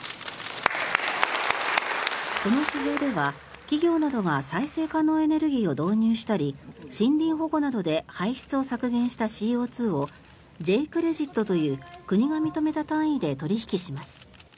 この市場では企業などが再生可能エネルギーを導入したり森林保護などで排出を削減したＣＯ２をＪ−クレジットという国が認めた単位で取引します。